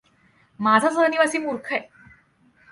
माझा सहनिवासी मूर्ख आहे.